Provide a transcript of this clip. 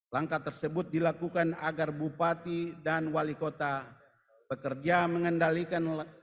langkah tersebut dilakukan agar bupati dan wali kota bekerja mengendalikan